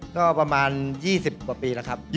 ก็ประมาณ๒๐กว่าปีแล้วครับ